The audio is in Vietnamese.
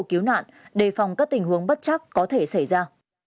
cứu nạn đề phòng các tình huống bất chắc có thể xảy ra